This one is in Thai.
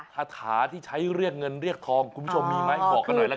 คาถาที่ใช้เรียกเงินเรียกทองคุณผู้ชมมีไหมบอกกันหน่อยละกัน